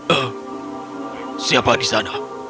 eh siapa di sana